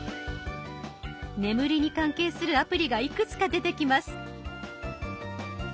眠りに関係するアプリがいくつか出てきます。